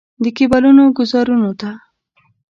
د کیبلونو ګوزارونو ته.